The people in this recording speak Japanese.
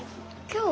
今日？